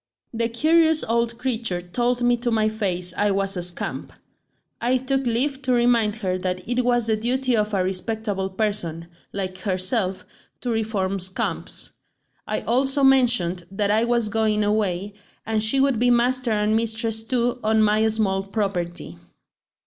"The curious old creature told me to my face I was a scamp. I took leave to remind her that it was the duty of a respectable person, like herself, to reform scamps; I also mentioned that I was going away, and she would be master and mistress too on my small property.